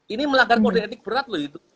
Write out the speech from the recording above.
ini melanggar kode etik berat loh itu